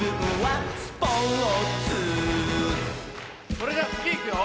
それじゃつぎいくよ